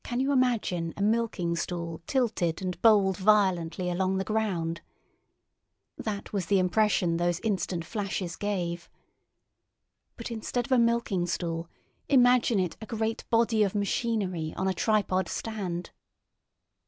Can you imagine a milking stool tilted and bowled violently along the ground? That was the impression those instant flashes gave. But instead of a milking stool imagine it a great body of machinery on a tripod stand.